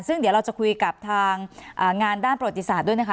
ซึ่งเดี๋ยวเราจะคุยกับทางงานด้านประวัติศาสตร์ด้วยนะคะ